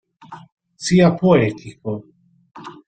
Sia poetico.